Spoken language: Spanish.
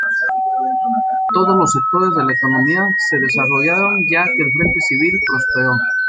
Todos los sectores de la economía se desarrollaron ya que el frente civil prosperó.